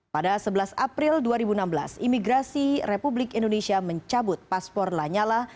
pada sebelas april dua ribu enam belas imigrasi republik indonesia mencabut paspor lanyala